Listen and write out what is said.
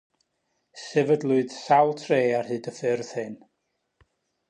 Sefydlwyd sawl tre ar hyd y ffyrdd hyn.